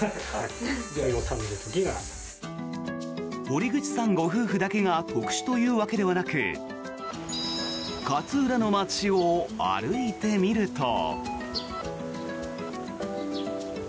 堀口さんご夫婦だけが特殊というわけではなく勝浦の街を歩いてみると。